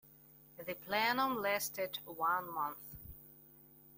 The plenum lasted one month.